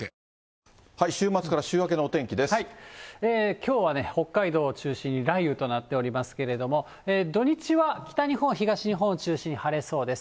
きょうは北海道を中心に雷雨となっておりますけれども、土日は北日本、東日本を中心に晴れそうです。